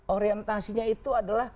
orientasinya itu adalah